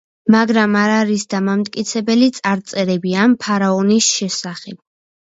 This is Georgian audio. მაგრამ არ არის დამამტკიცებელი წარწერები ამ ფარაონის შესახებ.